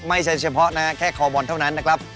ไม่ใช่เฉพาะนะแค่คอบอลเท่านั้นนะครับ